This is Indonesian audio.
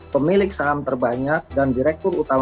pemilik saham terbanyak dan direktur utama